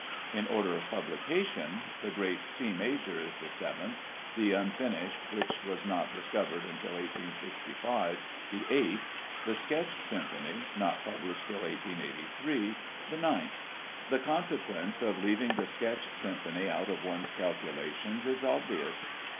In order of publication the great C major is the Seventh, the Unfinished (which was not discovered till 1865), the Eighth, the Sketch Symphony (not published till 1883), the Ninth. The consequence of leaving the Sketch Symphony out of one's calculations is obvious.